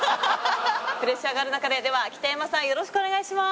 プレッシャーがあるなかででは北山さんよろしくお願いします。